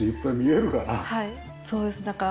はいそうですね。